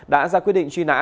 đã ra quyết định truy nã